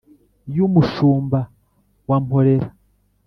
Y’umushumba wa Mporera